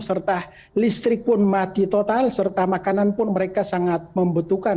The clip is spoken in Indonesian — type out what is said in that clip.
serta listrik pun mati total serta makanan pun mereka sangat membutuhkan